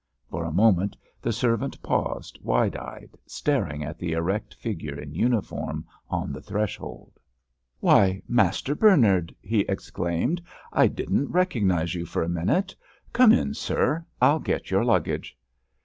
For a moment the servant paused wide eyed, staring at the erect figure in uniform on the threshold. "Why, Master Bernard!" he exclaimed, "I didn't recognise you for a minute. Come in, sir; I'll get your luggage."